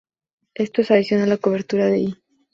Esto en adición a la cobertura de E!